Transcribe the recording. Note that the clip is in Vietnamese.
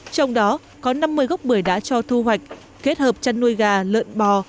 trong đó có năm mươi gốc bưởi đã cho thu hoạch kết hợp chăn nuôi gà lợn bò